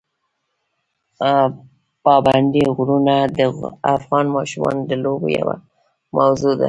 پابندي غرونه د افغان ماشومانو د لوبو یوه موضوع ده.